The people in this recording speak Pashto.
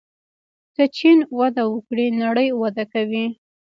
که چین وده وکړي نړۍ وده کوي.